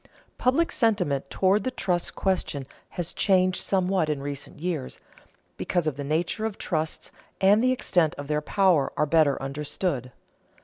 Public sentiment toward the trust question has changed somewhat in recent years, because the nature of trusts and the extent of their power are better understood.